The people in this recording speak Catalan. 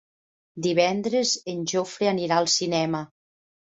Divendres en Jofre anirà al cinema.